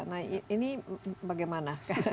nah ini bagaimana